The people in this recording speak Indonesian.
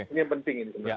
ini yang penting